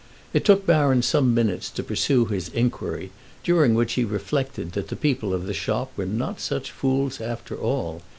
It took Baron some minutes to pursue his inquiry, during which he reflected that the people of the shop were not such fools after all.